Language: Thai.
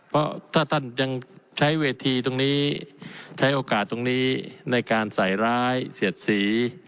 เพราะถ้าท่านยังใช้เวทีตรงนี้ใช้โอกาสตรงนี้ในการใส่ร้ายเสียดสี